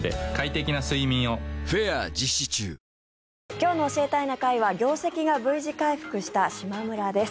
今日の「教えたいな会」は業績がＶ字回復したしまむらです。